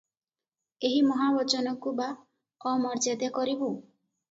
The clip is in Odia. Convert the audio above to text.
ଏହି ମହାବଚନକୁ ବା ଅମର୍ଯ୍ୟାଦା କରିବୁଁ ।